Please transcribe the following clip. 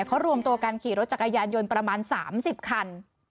เขารวมตัวกันขี่รถจักรยานยนต์ประมาณ๓๐คัน